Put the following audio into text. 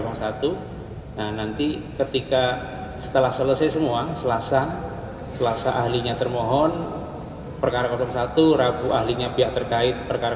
nah nanti ketika setelah selesai semua selasa selasa ahlinya termohon perkara satu ragu ahlinya pihak terkait perkara